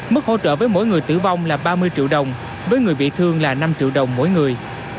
mức hỗ trợ với mỗi người tử vong là ba mươi triệu đồng với người bị thương là năm triệu đồng mỗi người